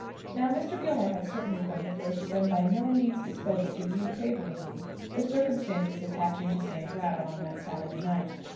Now Mr. Gilmore had certainly, from the first, been by no means disposed to view favourably the circumstances attaching to Sam Brattle on that Saturday night.